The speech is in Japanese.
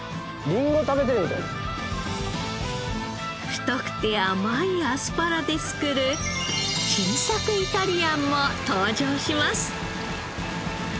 太くて甘いアスパラで作る新作イタリアンも登場します。